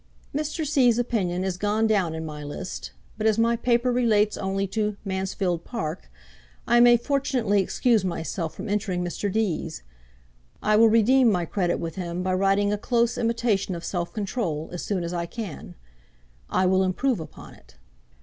'Mr. C.'s opinion is gone down in my list; but as my paper relates only to "Mansfield Park," I may fortunately excuse myself from entering Mr. D's. I will redeem my credit with him by writing a close imitation of "Self Control," as soon as I can. I will improve upon it.